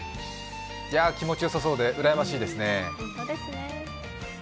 気持ちよさそうでうらやましいですね。